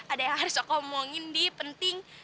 ada yang harus aku omongin nih penting